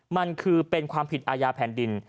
มันคือเป็นความผิดอาญาแผ่นดิน